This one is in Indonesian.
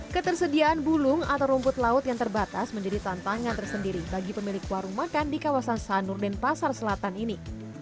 ketersediaan bulung atau rumput laut yang terbatas menjadi tantangan tersendiri bagi pemilik warung makan di kawasan sanur denpasar selatan ini